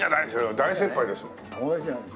大先輩です。